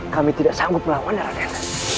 kami tidak sanggup melawan radyat